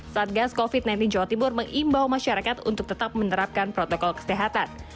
satgas covid sembilan belas jawa timur mengimbau masyarakat untuk tetap menerapkan protokol kesehatan